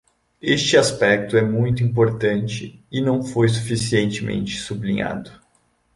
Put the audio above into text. Este aspecto é muito importante e não foi suficientemente sublinhado.